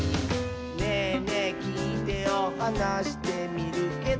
「『ねぇねぇきいてよ』はなしてみるけど」